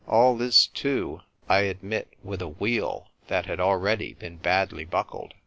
All this too, I admit, with a wheel that had already been badly buckled.